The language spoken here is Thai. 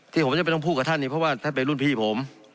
ที่ผมจะไม่ต้องพูดกับท่านนี่เพราะว่าท่านเป็นรุ่นพี่ผม